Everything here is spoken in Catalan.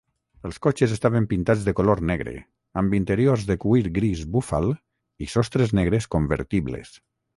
Els cotxes estaven pintats de color negre, amb interiors de cuir gris búfal i sostres negres convertibles.